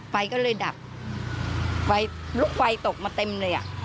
ไฟก็เลยดับไฟลุกไฟตกมาเต็มเลยอ่ะ